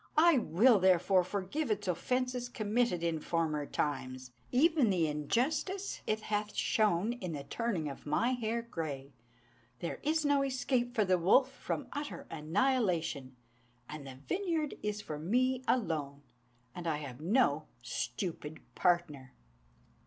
I will, therefore, forgive its offences committed in former times; Even the injustice it hath shown in the turning of my hair grey. There is no escape for the wolf from utter annihilation; And the vineyard is for me alone, and I have no stupid partner."